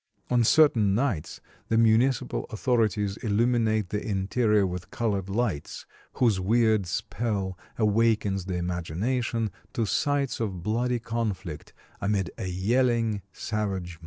On certain nights the municipal authorities illuminate the interior with colored lights, whose weird spell awakens the imagination to sights of bloody conflict amid a yelling, savage mob.